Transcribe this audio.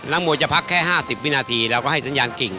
มวยจะพักแค่๕๐วินาทีเราก็ให้สัญญาณกิ่ง